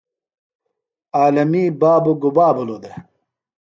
عالمی بابوۡ گُبا بِھلو دےۡ؟